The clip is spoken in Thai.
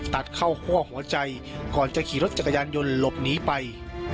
ตัดเข้าคั่วหัวใจก่อนจะขี่รถจักรยานยนต์หลบหนีไป